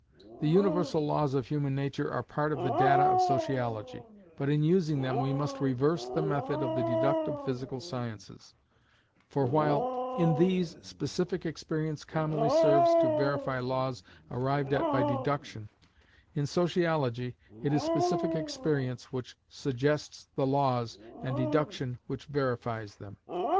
The universal laws of human nature are part of the data of sociology, but in using them we must reverse the method of the deductive physical sciences: for while, in these, specific experience commonly serves to verify laws arrived at by deduction, in sociology it is specific experience which suggests the laws, and deduction which verifies them.